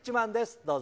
どうぞ。